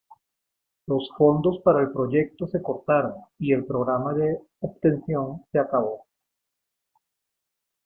Los fondos para el proyecto se cortaron y el programa de obtención se acabó.